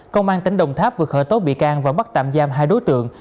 công an tỉnh đồng tháp vừa khởi tố bị can và bắt tạm giam hai đối tượng